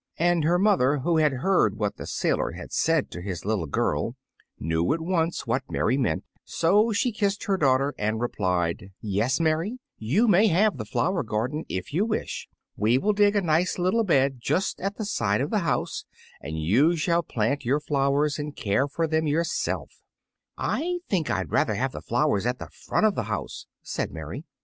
And her mother, who had heard what the sailor had said to his little girl, knew at once what Mary meant; so she kissed her daughter and replied, "Yes, Mary, you may have the flower garden, if you wish. We will dig a nice little bed just at the side of the house, and you shall plant your flowers and care for them yourself." "I think I'd rather have the flowers at the front of the house," said Mary.